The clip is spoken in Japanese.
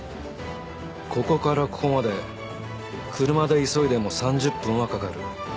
ここからここまで車で急いでも３０分はかかる。